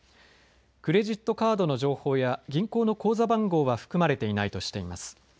クレジットカードの情報や銀行の口座番号は含まれていないとしています。